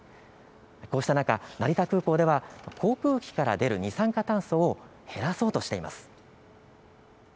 こうした中、成田空港では航空機から出る二酸化炭素を減らそうとしています。